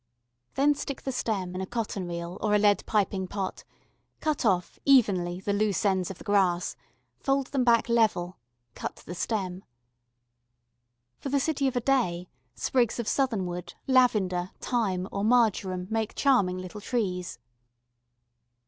Then stick the stem in a cotton reel or a lead piping pot, cut off, evenly, the loose ends of the grass, fold them back level, cut the stem. For the city of a day sprigs of southernwood, lavender, thyme, or marjoram make charming little trees.